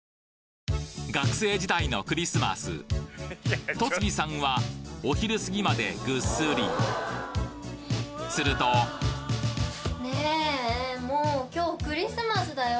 学生時代のクリスマス戸次さんはお昼過ぎまでグッスリするとねぇもう今日クリスマスだよ！